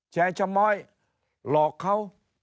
แชร์ชะม้อยหลอกเขา